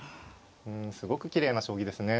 うんすごくきれいな将棋ですね。